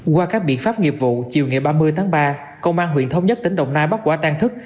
qua các biện pháp nghiệp vụ chiều ngày ba mươi tháng ba công an huyện thống nhất tỉnh đồng nai bắt quả tan thức